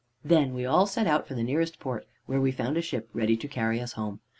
"Then we all set off for the nearest port, where we found a ship ready to carry us home.